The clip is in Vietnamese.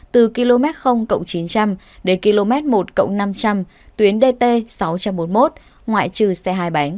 từ km chín trăm linh đến km một năm trăm linh tuyến dt sáu trăm bốn mươi một ngoại trừ xe hai trăm bảy mươi tám